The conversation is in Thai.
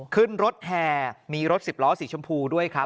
ขึ้นรถแห่มีรถสิบล้อสีชมพูด้วยครับ